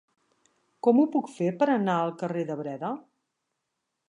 Com ho puc fer per anar al carrer de Breda?